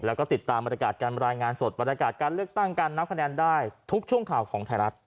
แล้วก็ติดตามบรรยากาศการรายงานสดบรรยากาศการเลือกตั้งการนับคะแนนได้ทุกช่วงข่าวของไทยรัฐ